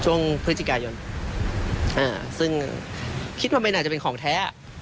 ช่วงพฤศจิกายนซึ่งคิดว่าไม่น่าจะเป็นของแท้